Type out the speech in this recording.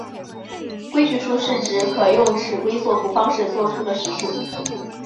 规矩数是指可用尺规作图方式作出的实数。